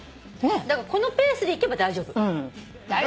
だからこのペースでいけば大丈夫。